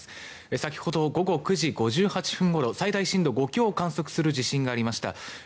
先ほど午後９時５８分ごろ最大震度５強を観測する地震がありました。